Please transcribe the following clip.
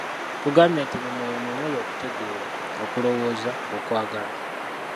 Tugambye nti mu mwoyo mwe muli okutegeera, okulowooza, okwagala.